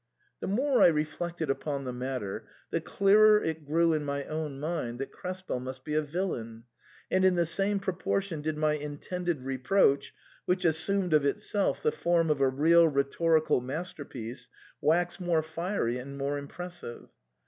The more I reflected upon the matter the clearer it grew in my own mind that Krespel must be a villain, and in the same proportion did my in tended reproach, which assumed of itself the form of a real rhetorical masterpiece, wax more fiery and more impressive.